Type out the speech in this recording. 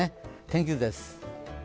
天気図です。